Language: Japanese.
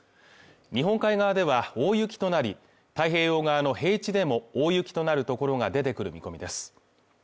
日本海側では大雪となり太平洋側の平地でも大雪となる所が出てくる見込みです